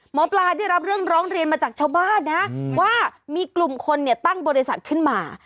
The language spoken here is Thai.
หมอปลาได้รับเรื่องร้องเรียนมาจากชาวบ้านนะว่ามีกลุ่มคนเนี่ยตั้งบริษัทขึ้นมา